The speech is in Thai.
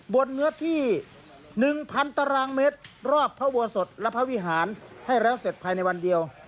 เนื้อที่๑๐๐ตารางเมตรรอบพระอุโบสถและพระวิหารให้แล้วเสร็จภายในวันเดียว